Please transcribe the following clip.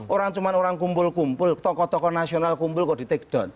orang cuma orang kumpul kumpul tokoh tokoh nasional kumpul kok di take down